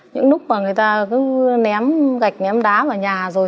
những lúc mà người ta cứ ném gạch ném đá vào nhà rồi